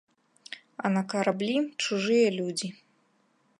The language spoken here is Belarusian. А на караблі чужыя людзі.